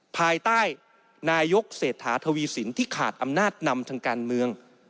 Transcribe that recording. ภายใต้นายกเศรษฐาทวีสินที่ขาดอำนาจนำทางการเมือง